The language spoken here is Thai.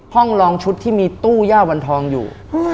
ลองชุดที่มีตู้ย่าวันทองอยู่